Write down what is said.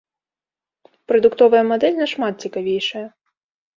Прадуктовая мадэль нашмат цікавейшая.